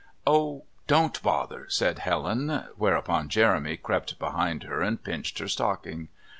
"Oh, don't bother!" said Helen, whereupon Jeremy crept behind her and pinched her stocking.